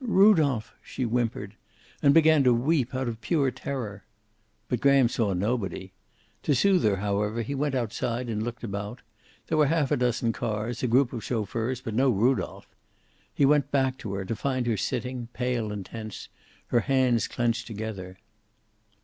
"Rudolph!" she whimpered. And began to weep out of pure terror. But Graham saw nobody. To soothe her, however, he went outside and looked about. There were half a dozen cars, a group of chauffeurs, but no Rudolph. He went hack to her, to find her sitting, pale and tense, her hands clenched together.